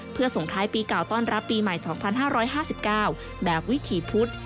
เพื่อส่งท้ายปีเก่าต้อนรับปีใหม่๒๕๕๙แบบวิถีพุธ